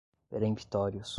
peremptórios